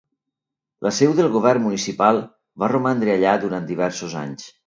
La seu del govern municipal va romandre allà durant diversos anys.